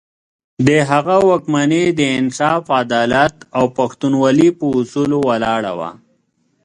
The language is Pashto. د هغه واکمني د انصاف، عدالت او پښتونولي پر اصولو ولاړه وه.